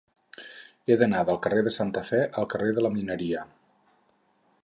He d'anar del carrer de Santa Fe al carrer de la Mineria.